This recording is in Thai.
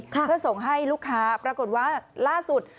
เพื่อส่งให้ลูกค้าปรากฏว่าล่าสุด